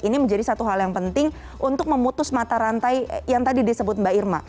ini menjadi satu hal yang penting untuk memutus mata rantai yang tadi disebut mbak irma